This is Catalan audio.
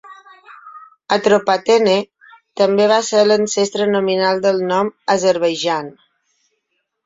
"Atropatene" també va ser l'ancestre nominal del nom "Azerbaijan".